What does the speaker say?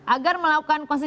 agar melakukan konsolidasi